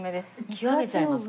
極めちゃいますか？